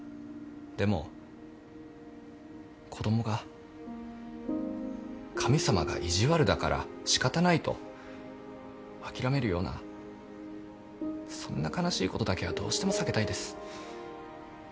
でも子供が神様が意地悪だから仕方ないと諦めるようなそんな悲しいことだけはどうしても避けたいです。